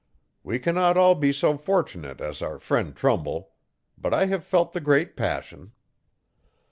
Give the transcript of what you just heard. We cannot all be so fortunate as our friend Trumbull. But I have felt the great passion.